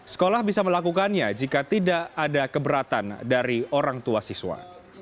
sekolah bisa melakukannya jika tidak ada keberatan dari orang tua siswa